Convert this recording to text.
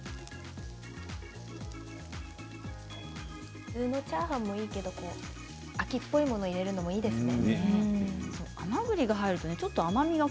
普通のチャーハンもいいけど秋っぽいのもいいですね。